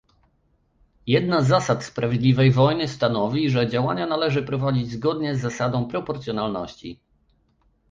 Jedna z zasad sprawiedliwej wojny stanowi, że działania należy prowadzić zgodnie z zasadą proporcjonalności